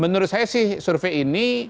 menurut saya sih survei ini